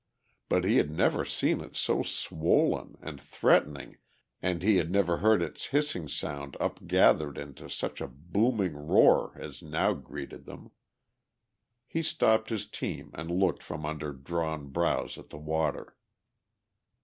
But he had never seen it so swollen and threatening and he had never heard its hissing sound upgathered into such a booming roar as now greeted them. He stopped his team and looked from under drawn brows at the water.